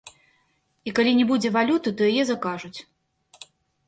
І калі не будзе валюты, то яе закажуць.